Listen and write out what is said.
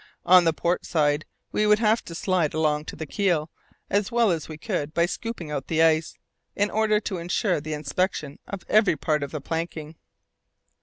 On the port side we would have to slide along to the keel as well as we could by scooping out the ice, in order to insure the inspection of every part of the planking.